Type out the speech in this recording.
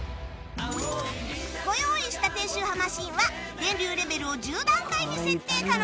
ご用意した低周波マシンは電流レベルを１０段階に設定可能